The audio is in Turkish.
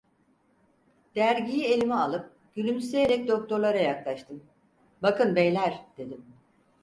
Dergiyi elime alıp gülümseyerek doktorlara yaklaştım: "Bakın beyler" dedim.